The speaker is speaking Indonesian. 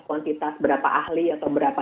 kuantitas berapa ahli atau berapa